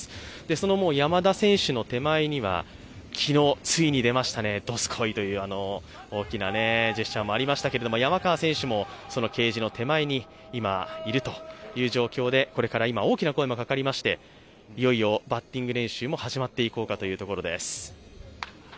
その山田選手の手前には昨日、ついに出ましたね、どすこいという大きなジェスチャーもありましたけれども、山川選手もケージの手前に今、いるという状況で今、大きな声も出まして、いよいよバッティング練習も始まるところです。